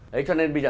đấy cho nên bây giờ